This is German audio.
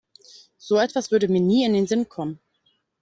So etwas würde mir nie in den Sinn kommen.